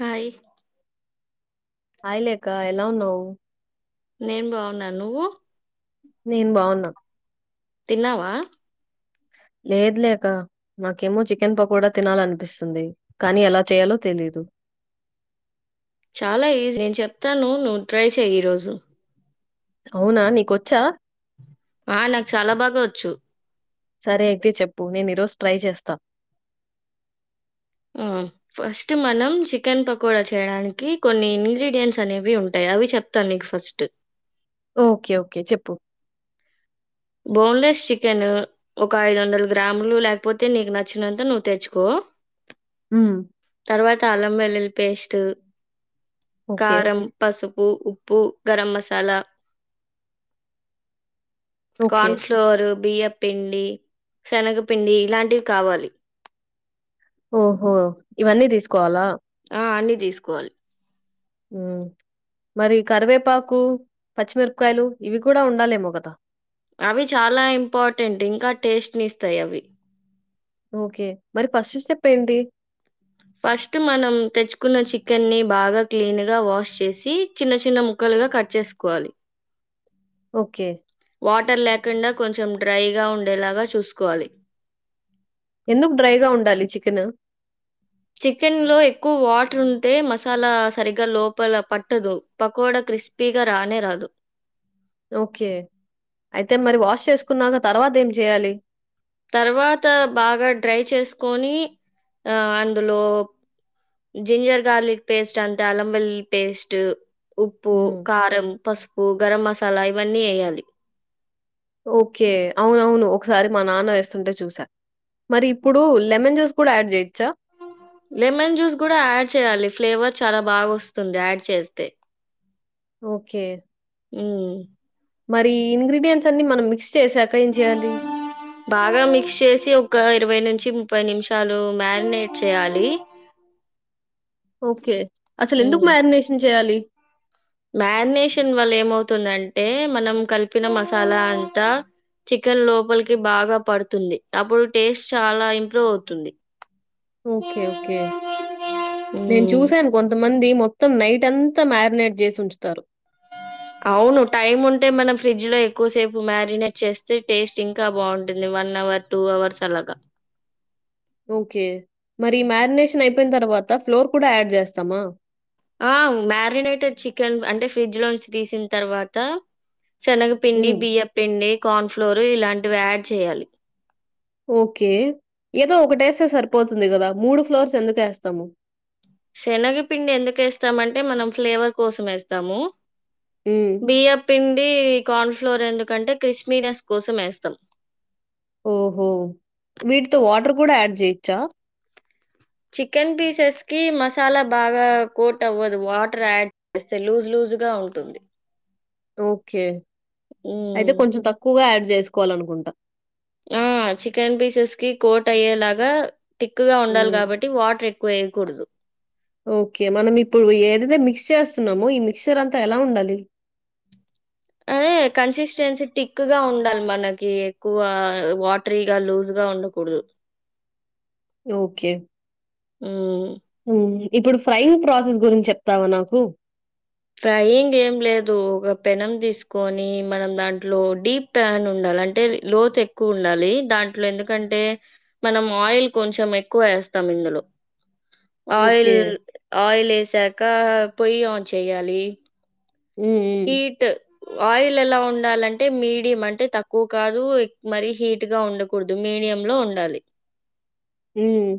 Hi hi లే అక్క ఎలా ఉన్నావ్ నేను బావున్నా నువ్వు నేను బాగున్నా తిన్నావా లేదులేఅక్క మాకేమో చికెన్ పకోడా తినాలనిపిస్తుంది కానీ ఎలా చేయాలో తెలీదు చాలా ఈజీ నేను చెప్తాను నువ్వు ట్రై చేయ్ ఈరోజు అవునా నీకొచ్చా ఆ నాకు చాలా బాగా వచ్చు సరే అయితే చెప్పు నేను ఈరోజు ట్రై చేస్తా ఫస్ట్ మనం చికెన్ పకోడా చేయడానికి కొన్ని ఇంగ్రీడియంట్స్ అనేవి ఉంటాయి. అవి చెప్తాను నీకు ఫస్ట్ ఓకే ఓకే చెప్పు బోన్లెస్ చికెన్ ఒక ఐదు వందల గ్రాములు లేకపోతే నీకు నచ్చినంత నువ్వు తెచ్చుకో హ్మ్. తరువాత అళ్ళం వెల్లుల్ అల్ పేస్ట్ ఓకే. కారం పసుపు ఉప్పు garam masala okay. Corn flour బియ్యపిండి శనగపిండి ఇలాంటివి కావాలి ఓహో ఇవన్నీ తీసుకోవాలా ఆ అన్ని తీసుకోవాలి మరి కరివేపాకు పచ్చిమిరపకాయలు ఇవి కూడా ఉండాలేమో కద అవి చాలా ఇంపార్టెంట్ ఇంకా టేస్ట్ ని ఇస్తాయి అవి ఓకే మరి ఫస్ట్ స్టెప్ ఏంటి. ఫస్ట్ మనం తెచ్చుకున్న చికెన్ని బాగా క్లీన్ గా వాష్ చేసి చిన్న చిన్న ముక్కలుగా కట్ చేసుకోవాలి. ఓకే. వాటర్ లేకుండా. కొంచెం డ్రైగా ఉండేలాగా చూసుకోవాలి. ఎందుకు డ్రైగా ఉండాలి చికెన్. చికెన్ లో ఎక్కువ వాటర్ ఉంటే మసాలా సరిగా లోపల పట్టదు పకోడా క్రిస్పీగా రానే రాదు. ఓకే అయితే మరి వాష్ చేసుకున్నాక తర్వాత ఏం చేయాలి. తర్వాత బాగా డ్రై చేసుకొని ఆ అందులో జింజర్ గార్లిక్ పేస్ట్ అంటే అల్లం వెల్లుల్లి పేస్ట్ ఉప్పు, హ్మ్. కారం, పసుపు. గరం మసాలా ఇవన్నీ వేయాలి. ఓకే అవునవును ఒకసారి మా నాన్న వేస్తుంటే చూసా మరి ఇప్పుడు లెమన్ జ్యూస్ కూడా యాడ్ చేయొచ్చా. లెమన్ జ్యూస్ కూడా యాడ్ చేయాలి. ఫ్లేవర్ చాలా బాగా వస్తుంది యాడ్ చేస్తే ఓకే ఉమ్ మరి ఇంగ్రీడియంట్స్ అన్ని మనం మిక్స్ చేశాక ఏం చేయాలి? బాగా మిక్స్ చేసి ఒక ఒక ఇరవై నుంచి ముప్పై నిమిషాలు మ్యారినేట్ చేయాలి. ఓకే అసలు ఎందుకు హ్మ్ మ్యారినేషన్ చేయాలి. మ్యారినేషన్ వల్ల ఏమవుతుందంటే మనం కలిపిన మసాలా అంతా చికెన్ లోపలికి బాగా పడుతుంది. అప్పుడు టేస్ట్ చాలా ఇంప్రూవ్ అవుతుంది. ఓకే ఓకే నేను హ్మ్ చూసాను కొంతమంది మొత్తం నైట్ అంతా మ్యారినేట్ చేసి ఉంచుతారు. అవును టైమ్ ఉంటే మనం ఫ్రిడ్జ్ లో ఎక్కువసేపు మ్యారినేట్ చేస్తే టేస్ట్ ఇంకా బాగుంటుంది వన్ అవర్ టూ అవర్స్ అలాగా ఓకే మరి మ్యారినేషన్ అయిపోయిన తర్వాత ఫ్లోర్ కూడా యాడ్ చేస్తామా. ఆహ్ మ్యారినేటెడ్ చికెన్ అంటే ఫ్రిడ్జ్ లోంచి తీసిం తర్వాత శనగపిండి, హ్మ్. బియ్యపిండి, కార్న్ ఫ్లోర్. ఇలాంటివి యాడ్ చేయాలి. ఓకే ఏదో ఒకటేస్తే సరిపోతుంది కదా మూడు ఫ్లోర్స్ ఎందుకు వేస్తాము. శనగపిండి ఎందుకు వేస్తామంటే మనం ఫ్లేవర్ కోసం వేస్తాము. హ్మ్. బియ్యప్పిండి డి కార్న్ ఫ్లోర్ ఎందుకంటే క్క్రిస్పీ నెస్ కోసం వేస్తాం. ఓహో వీటితో వాటర్ కూడా యాడ్ చేయొచ్చా. చికెన్ పీసెస్ కి మసాలా బాగా కోట్ అవ్వదు వాటర్ యాడ్ చేస్తే లూజ్ లూజ్గా ఉంటుంది. ఓకే అయితే హ్మ్. కొంచెం తక్కువగా యాడ్ చేస్ తీసుకోవాలనుకుంటా. ఆహ్ చికెన్ పీసెస్ కి కోట్ అయ్యేలాగా తిక్కుగా ఉండాలి హ్మ్. కాబట్టి వాటర్ ఎక్ పోయాకూడదు. ఓకే మనం ఇప్పుడు ఏదైతే మిక్స్ చేస్తున్నామో ఈ మిక్చర్ అంతా ఎలా ఉండాలి. అదే కన్సిస్టెన్సీ థీక్ గా ఉండాలి మనకి ఎక్కువ వాటరీగా లూజ్గా ఉండకూడదు. ఓకే ఒకే హ్మ్. ఇప్పుడు ఫ్రైయింగ్ ప్రాసెస్ గురించి చెప్తావా నాకు ఫ్రైయింగ్ ఏం లేదు ఒక పెనం తీసుకొని మనం దాంట్లో డీప్ ప్యాన్ ఉండాలి అంటే లోతు ఎక్కువ ఉండాలి దాంట్లో ఎందుకంటే మనం ఆయిల్ కొంచెం ఎక్కువ వేస్తాం ఇందులో ఆయిల్ ఓకే. ఆయిలేసాక పోయ్ ఆంచ్ చేయాలి మ్మ్ మ్మ్ హీట్ ఆయిల్ ఎలా ఉండాలంటే మీడియం అంటే తక్కువ కాదు ఎక్ మరీ హీట్ గా ఉండకూడదు మీడియం లో ఉండాలి మ్మ్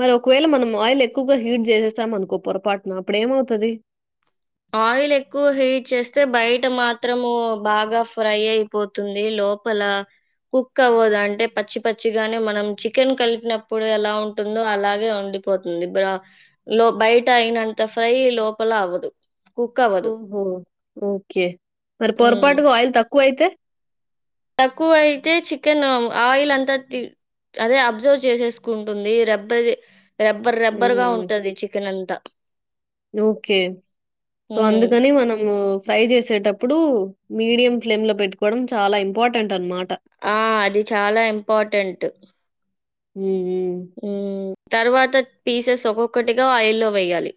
మరి ఒకవేళ మనం ఆయిల్ ఎక్కువగా హీట్ చేసేసాం అనుకో పొరపాటున అప్పుడు ఏమవుతది ఆయిల్ ఎక్కువ హీట్ చేస్తే బయట మాత్రము బాగా ఫ్రై అయిపోతుంది లోపల కుక్ అవ్వదు అంటే పచ్చి పచ్చిగానే మనం చికెన్ కలిపినప్పుడు ఎలా ఉంటుందో అలాగే ఉండిపోతుంది లో బయట అయినంత ఫ్రై లోపల అవ్వదు కుక్ అవ్వదు. ఓహో ఓకే మరి పొరపాటుగా ఆయిల్ తక్కువ అయితే తక్కువ అయితే చికెన్ ఆ ఆయిల్ అంతా అదే అబ్జర్వ్ చేసేసుకుంటుంది రెబ్బది రబ్బర్ రబ్బర్ గా హ్మ్. ఉంటది చికెన్ అంతా ఓకే సో హ్మ్. అందుకని మనము ఫ్రై చేసేటప్పుడు మీడియం ఫ్లేమ్ లో పెట్టుకోవడం చాలా ఇంపార్టెంట్ అనమాట ఆ అది చాలా ఇంపార్టెంట్ మ్మ్ మ్మ్ హ్మ్. తర్వాత పీసెస్ ఒక్కొక్కటిగా ఆయిల్లో వెయ్యాలి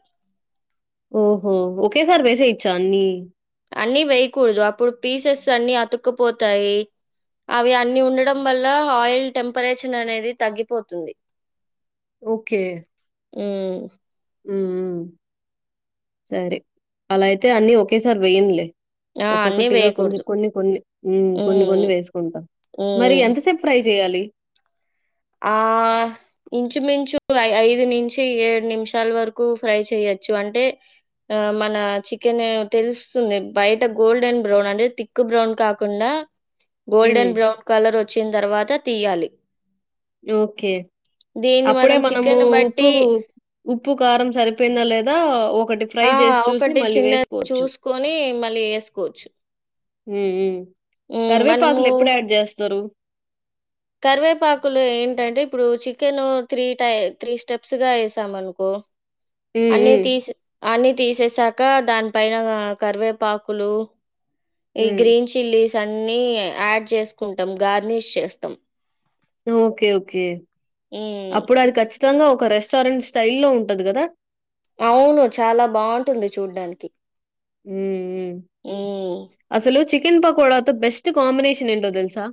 ఓహో ఓకే సారి వేసేయ్చా అన్ని అన్ని వేయకూడదు అప్పుడు పీసెస్ అన్ని అతుక్కుపోతాయి అవి అన్ని ఉండడం వల్ల ఆయిల్ టెంపరేచర్ అనేది తగ్గిపోతుంది ఓకే మ్మ్ మ్మ్ సరే అలా అయితే అన్నీ ఒకేసారి వేయను లే ఆ! అన్నీ ఒక్కొక్కటిగా కొన్ని వేయకూడదు. కొన్ని కొన్ని మ్మ్ కొన్ని హ్మ్. కొన్ని వేసుకుంటాం మరి హ్మ్. ఎంతసేపు ఫ్రై చేయాలి [inaudible] ఆ ఇంచుమించు ఐదు నుంచి ఏడు నిమిషాల వరకు ఫ్రై చెయొచ్చు అంటే ఆ మన చికెన్ తెలుస్తుంది బయట గోల్డెన్ బ్రౌన్ అంటే తిక్ బ్రౌన్ కాకుండా హ్మ్. గోల్డెన్ బ్రౌన్ కలర్ వచ్చిన తర్వాత తీయాలి ఓకే దీన్ని అప్పుడే మనం మనము చికెన్ ఉప్పు బట్టి ఉప్పు కారం సరిపోయిందా లేదా ఒకటి ఫ్రై ఆ చేసి చూసి ఒకటి మళ్ళీ చిన్నది వేసుకోవచ్చు. చూసుకొని మల్లి ఏస్కోవచ్చు మ్మ్ మ్మ్ కరివేపాకులు ఎప్పుడు యాడ్ చేస్తరు కరివేపాకులు ఏంటంటే ఇప్పుడు చికెన్ త్రీ టై త్రీ స్టెప్స్ గా వేసామనుకో హ్మ్. అన్ని హ్మ్. తీసి అన్నీ తీసేసాక దాని పైన కరివేపాకులు ఇ హ్మ్. గ్రీన్ చిల్లీస్ అన్నీ యాడ్ చేసుకుంటాం గార్నిష్ చేస్తాం ఒకే ఒకే హ్మ్. అప్పుడు అది కచ్చి గంగా ఒక రెస్టారెంట్ స్టైల్ లో ఉంటది కదా అవును చాలా బాగుంటుంది చూడ్డానికి ఉమ్ హ్మ్. అసలు చికెన్ పకోడాతో బెస్ట్ కాంబినేషన్ ఏంటో తెల్సా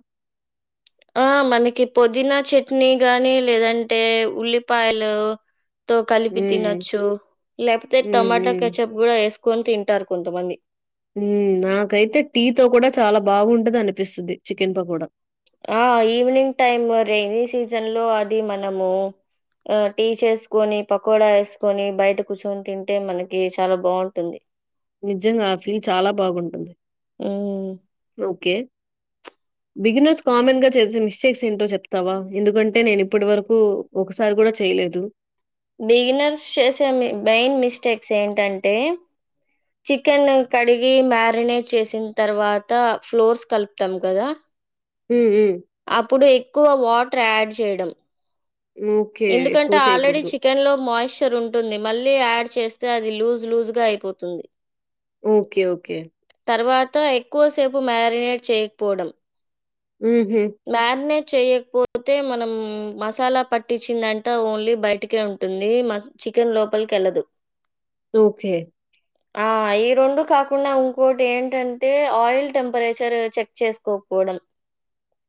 ఆ మనకి పుదీన చట్నీ గాని లేదంటే ఉల్లిపాయలు తో కలిపి హ్మ్. తినొచ్చు లేకపోతే హ్మ్. టమాటా హ్మ్. కెచప్ కూడా వేసుక్ కొని తింటారు కొంతమంది ఉమ్ నాకైతే టీ తో కూడా చాలా బాగుంటదని పిస్తది చికెన్ పకోడా ఆ ఈవినింగ్ టైమ్ రెయినీ సీజన్లో అదీ మనమూ అ టీ చేస్కోనీ పకోడా ఏస్కోనీ బయట కుసోని తింటే మనకీ చాలా బాగుంటుంది నిజంగా ఆ ఫీల్ చాలా బాగుంటుంది హ్మ్. ఒకే బిగినర్స్ కామన్ గా చేసే మిస్టేక్స్ ఏంటో చెప్తావా ఎందుకంటే నేను ఇప్పటి వరకు ఒకసారి కూడా చేయలేదు బిగినర్స్ చేసే మెయిన్ మిస్టేక్స్ ఏంటంటే చికెన్ కడిగి మ్యారినేట్ చేసిన తర్వాత ఫ్లోర్స్ కలుపుతాం కదా ఉమ్ ఉ అప్పుడు ఎక్కువ వాట్ ట్రాడ్ చేయడం ఓకే. ఎందుకంటే ఎక్కువ ఆల్రెడీ చేయకూడదు. చికెన్ లో మాయిష్ తర్ ఉంటుంది మళ్ళీ యాడ్ చేస్తే అది లూజ్ లూజ్గా అయిపోతుంది ఒకే ఒకే తర్వాత ఎక్కువసేపు మ్యారినేట్ చేయకపోవడం ఊహు మ్యారినేట్ చేయకపోతే మనం మసాలా పట్టించ్చిదంటా ఓన్లీ బయటికే ఉంటుంది మ చికెన్ లోపలికెళ్ళదు ఒకే ఆ ఈ రెండు కాకుండా ఉంకోటేంటంటే ఆయిల్ టెంపరేచర్ చెక్ చేసుకోకపోవడం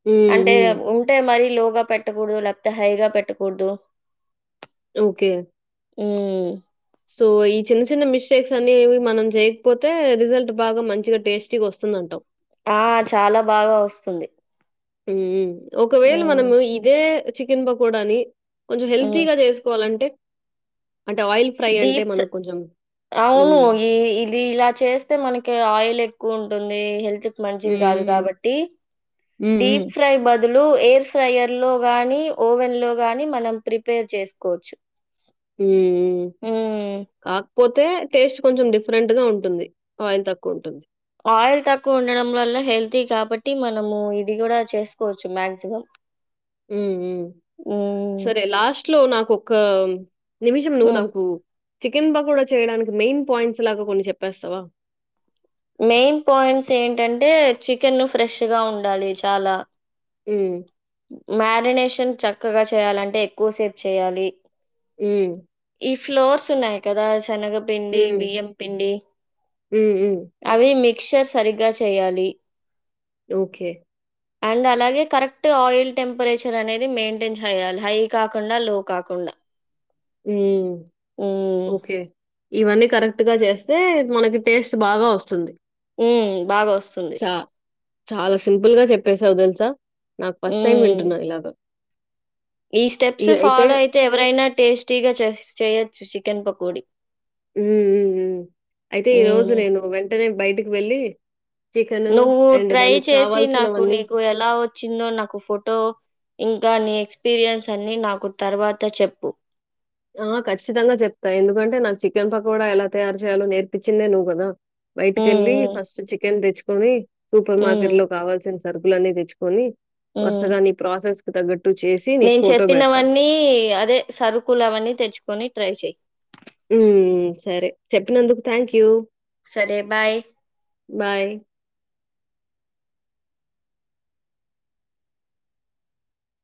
హ్మ్. అంటే హ్మ్. ఉంటే మరి స్లోగా పెట్టకూడదు లేకపోతే హైగా పెట్టకూడదు ఒకే ఉమ్ సో ఈ చిన్న చిన్న మిస్టేక్స్ అన్నేవి మనం చేయకపోతే రిజల్ట్ బాగా మంచిగా టేస్టీగా వస్తుందంటావ్ ఆ చాలా బాగా వస్తుంది ఉమ్ ఒకవేళ హ్మ్. మనము ఇదే చికెన్ పకోడాని కొంచెం హ్మ్. హెల్తీగా చేసుకోవాలంటే అంటే ఆయిల్ ఫ్రై అంటే డీప్ మనకు కొంచెం అవును హ్మ్. ఈ ఇది ఇలా చేస్తే మనకి ఆయిలె క్కు ఉంటుంది హెల్త్ మంచిది హ్మ్. కాదు హ్మ్. కాబట్టి హ్మ్. హ్మ్. డీప్ హ్మ్. ఫ్రై బద్ దులు ఎయిర్ ఫ్రైయర్ లో గాని ఓవెన్ లో గాని మనం ప్రిపేర్ చేసుకోవచ్చు హ్మ్. పోతే టేస్ట్ కొంచెం డిఫరెంట్ గా ఉంటుంది ఆయిల్ తక్కువ ఉంటుంది ఆయిల్ తక్కువ ఉండడం వల్ల హెల్తీ కాబట్టి మనము ఇది కూడా చేసుకోవచ్చు మాక్సిమం ఉ ఉమ్ హ్మ్. సరే లాస్ట్ లో నాక్ ఒక నిమిషం హ్మ్. నూనాకు చికెన్ పకోడా చేయడానికి మెయిన్ పాయింట్స్ లాగా కొన్ని చెప్పేస్తావా మెయిన్ పాయింట్స్ ఏంటంటే చికెన్ ఫ్రెషగా ఉండాలి చాలా హ్మ్. మ్యారినేష్ చక్కగా చేయాలంటే ఎక్కువసేపు చేయాలి ఉమ్ ఈ ఫ్లోర్స్ ఉన్నాయి కదా సెనగపిండి హ్మ్. బియ్యంపిండి హ్మ్. హ్మ్. అవి మిక్చర్ సరిగ్గా చేయాలి ఓకే అండ్ అలాగే కరెక్ట్ ఆయిల్ టెంపరేచర్ అనేది మెయింటైన్ చేయాలి హై కాకుండా లో కాకుండా ఉమ్ హ్మ్. ఓకే ఇవన్నీ కరెక్ట్ గా చేస్తే మనకి టేస్ట్ బాగా వస్తుంది ఉమ్ బాగా ఒస్తుంది చా చాలా సింపుల్ గా చెప్పేసావు తెలుసా నాక్ ఫస్ట్ టైమ్ హ్మ్. వింటున్నా ఇలాగ ఈ స్టెప్స్ ఫాలో అయితే ఎవరైనా టేస్టీగా చేస్ చేయొచ్చు చికెన్ పకొడి ఉ ఉమ్ ఉమ్ అయితే ఈ రోజు హ్మ్. నేను వెంటనే బైట్ కి వెళ్ళి చికెను నువ్వు అండ్ ట్రై దానికి చేసి నాకు కావాల్సినవన్నీ నీకు ఎలా వచ్చిందో నాకు ఫోటో ఇం కా నీ ఎక్స్పీరియన్స్ అన్ని నాకు తర్వాత చెప్పు ఆ! ఖచ్చితంగా చెప్తా. ఎందుకంటే, నాకు చికెన్ పకోడా ఎలా తయారు చేయాలో నేర్పించిందే నువ్వు కదా బైట్ హ్మ్. కెల్లి హ్మ్. ఫస్ట్ చికెన్ తెచ్చు [unintelligible] సూపర్ మార్కెట్ హ్మ్. లో కావాల్సిన సరుకులున్నీ తెచ్చుకొని హ్మ్. వరుసగా నీ ప్రాసెస్ దగత్ నేను చెప్పినవన్నీ అదే సరుకులు అవన్నీ తెచ్చుకొని ట్రై చేయ్ మ్మ్ సరే చెప్పినందుకు థ్యాంక్ యూ సరే బాయ్ బాయ్